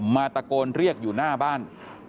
ตะโกนเรียกอยู่หน้าบ้าน